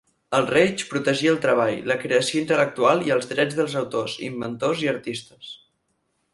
El Reich protegia el treball, la creació intel·lectual i els drets dels autors, inventors i artistes.